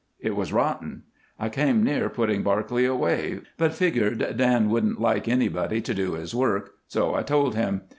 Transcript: It was rotten. I came near putting Barclay away, but figgered Dan wouldn't like nobody to do his work, so I told him.